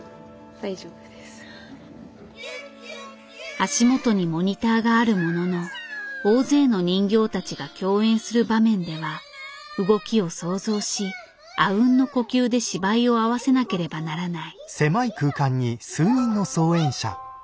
足元にモニターがあるものの大勢の人形たちが共演する場面では動きを想像しあうんの呼吸で芝居を合わせなければならない。